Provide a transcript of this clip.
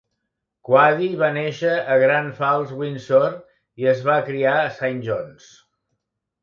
Coady va néixer a Grand Falls-Windsor i es va criar a Saint John's.